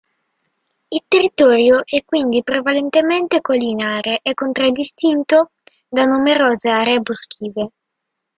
Il territorio è quindi prevalentemente collinare e contraddistinto da numerose aree boschive.